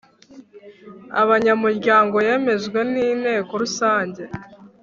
Abanyamuryango yemejwe n Inteko Rusange